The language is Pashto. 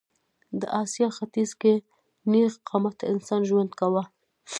د اسیا ختیځ کې نېغ قامته انسان ژوند کاوه.